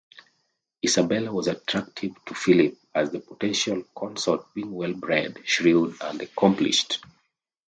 Isabella was attractive to Philip as a potential consort being well-bred, shrewd and accomplished.